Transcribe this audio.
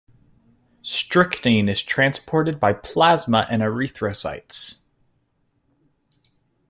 Strychnine is transported by plasma and erythrocytes.